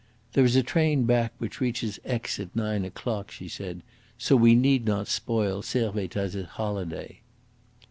"There is a train back which reaches Aix at nine o'clock," she said, "so we need not spoil Servettaz' holiday."